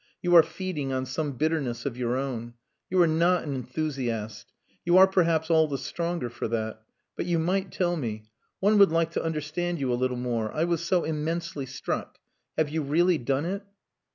You are feeding on some bitterness of your own. You are not an enthusiast. You are, perhaps, all the stronger for that. But you might tell me. One would like to understand you a little more. I was so immensely struck.... Have you really done it?"